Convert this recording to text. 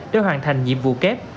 để hoàn thành nhiệm vụ kép